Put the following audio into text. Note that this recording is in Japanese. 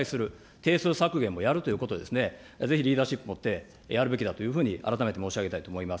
定数削減もやるということを、ぜひリーダーシップをもってやるべきだというふうに改めて申し上げたいと思います。